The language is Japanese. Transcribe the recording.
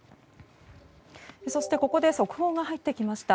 そしてここで速報が入ってきました。